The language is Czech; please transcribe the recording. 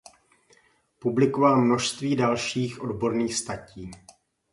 Publikoval množství dalších odborných statí.